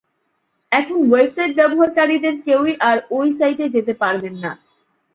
এখন ওয়েবসাইট ব্যবহারকারীদের কেউই আর ঐ সাইটে যেতে পারবেন না।